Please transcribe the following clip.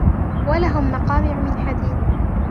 وَلَهُمْ مَقَامِعُ مِنْ حَدِيدٍ